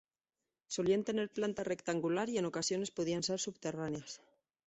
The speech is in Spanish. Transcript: Solían tener planta rectangular y en ocasiones podían ser subterráneas.